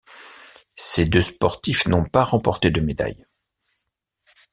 Ses deux sportifs n'ont pas remporté de médaille.